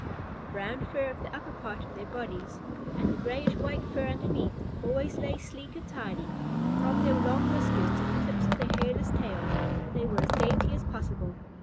The brown fur of the upper part of their bodies and the grayish white fur underneath always lay sleek and tidy, and from their long whiskers to the tips of their hairless tails, they were as dainty as possible.